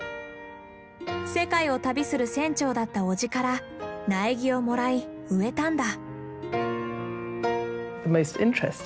世界を旅する船長だった叔父から苗木をもらい植えたんだ。